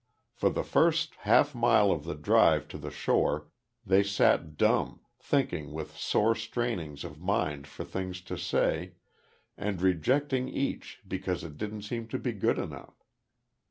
For the first half mile of the drive to the shore, they sat dumb, thinking with sore strainings of mind for things to say, and rejecting each because it didn't seem to be good enough.